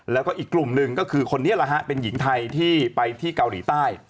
แล้วก็อีกกลุ่มหนึ่งก็คือคนนี้แหละฮะเป็นหญิงไทยที่ไปที่เกาหลีใต้